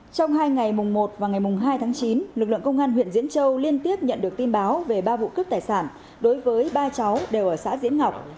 trong hai ngày mùng một và ngày mùng hai tháng chín lực lượng công an huyện diễn châu liên tiếp nhận được tin báo về ba vụ cướp tài sản đối với ba cháu đều ở xã diễn ngọc